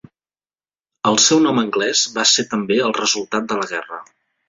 El seu nom anglès va ser també el resultat de la guerra.